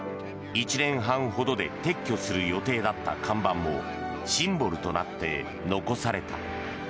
１年半ほどで撤去する予定だった看板もシンボルとなって残された。